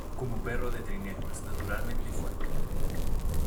Como perro de trineo es naturalmente fuerte.